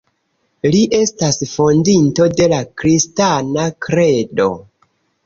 Li estas Fondinto de la Kristana Kredo.